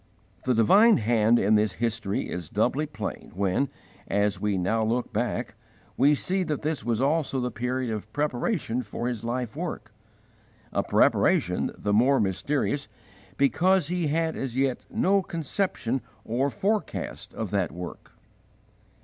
The divine Hand in this history is doubly plain when, as we now look back, we see that this was also the period of preparation for his life work a preparation the more mysterious because he had as yet no conception or forecast of that work.